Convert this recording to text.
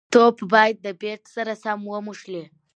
توپ باید د بېټ سره سم وموښلي.